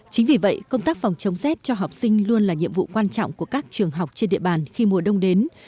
chính vì vậy công tác phòng chống rét cho học sinh luôn là nhiệm vụ quan trọng của các trường học trên địa bàn khi mùa đông đến